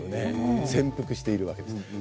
潜伏しているわけです。